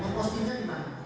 mempostingnya di mana